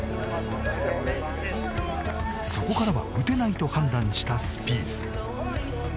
そこからは打てないと判断したスピース。